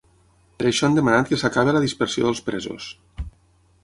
Per això han demanat que s’acabi la dispersió dels presos.